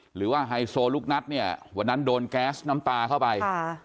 ไฮโซลูกนัดเนี่ยวันนั้นโดนแก๊สน้ำตาเข้าไป